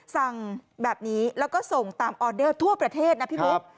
สั่งแบบนี้แล้วก็ส่งตามออเดอร์ทั่วประเทศนะพี่บุ๊ค